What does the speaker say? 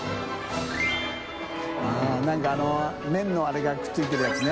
覆鵑麺のあれがくっついてるやつね。